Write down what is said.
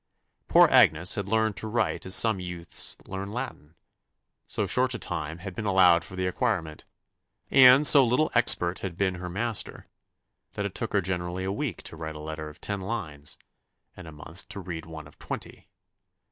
Poor Agnes had learned to write as some youths learn Latin: so short a time had been allowed for the acquirement, and so little expert had been her master, that it took her generally a week to write a letter of ten lines, and a month to read one of twenty.